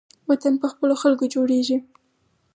وطن په خپلو خلکو جوړیږي